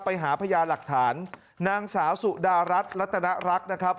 ไปหาพญาตร์หลักฐานนางสาวสุดราชรัศน์และตระรักนะครับ